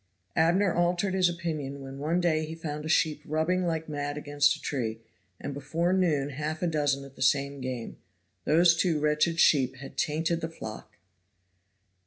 Abner altered his opinion when one day he found a sheep rubbing like mad against a tree, and before noon half a dozen at the same game. Those two wretched sheep had tainted the flock.